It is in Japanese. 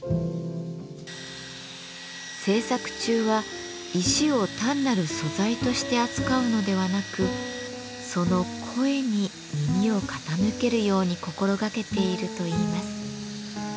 制作中は石を単なる素材として扱うのではなくその「声」に耳を傾けるように心がけているといいます。